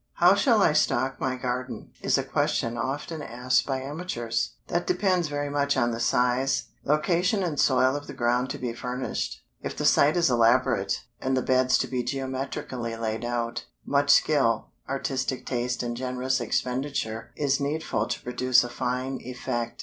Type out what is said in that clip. "How shall I stock my garden?" is a question often asked by amateurs. That depends very much on the size, location and soil of the ground to be furnished. If the site is elaborate, and the beds to be geometrically laid out, much skill, artistic taste and generous expenditure is needful to produce a fine effect.